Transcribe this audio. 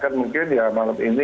kan mungkin ya malam ini